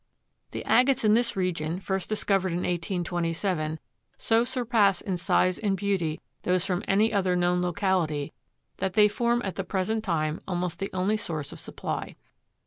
The agates in this region, first discovered in 1827, so surpass in size and beauty those from any other known locality, that they form at the present time almost the only source of supply.